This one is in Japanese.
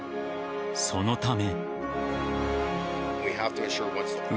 そのため。